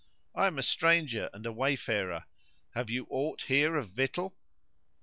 I am a stranger and a wayfarer; have you aught here of victual?"